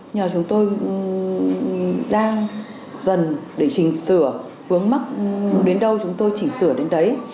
nhờ chúng tôi đang dần để chỉnh sửa vướng mắt đến đâu chúng tôi chỉnh sửa đến đấy